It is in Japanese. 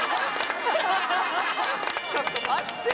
ちょっと待ってよ！